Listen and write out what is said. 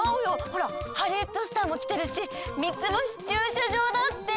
ほらハリウッドスターもきてるし三ツ星駐車場だって。